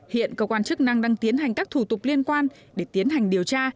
hiện cơ quan chức năng đang tiến hành các thủ tục liên quan để tiến hành điều tra